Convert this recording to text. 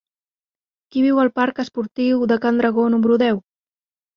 Qui viu al parc Esportiu de Can Dragó número deu?